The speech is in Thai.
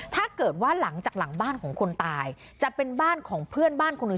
ถ้าเกิดว่าหลังจากหลังบ้านของคนตายจะเป็นบ้านของเพื่อนบ้านคนหนึ่ง